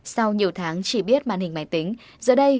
sau nhiều tháng chỉ biết màn hình máy tính giờ đây